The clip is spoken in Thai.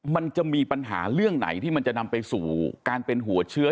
มันจะมีปัญหาเรื่องไหนที่มันจะนำไปสู่การเป็นหัวเชื้อ